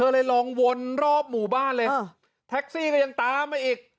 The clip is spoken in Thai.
เลยลองวนรอบหมู่บ้านเลยแท็กซี่ก็ยังตามมาอีก